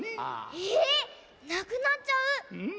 えなくなっちゃう⁉うん。